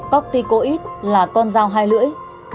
cốc tích quýt là con dao hai lưỡi